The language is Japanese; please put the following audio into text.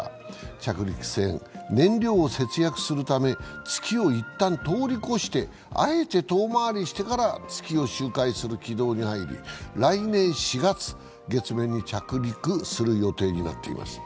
着陸船、燃料を節約するため、月を一旦通り越してあえて遠回りしてから月を周回する軌道に入り来年４月、月面に着陸する予定になっています。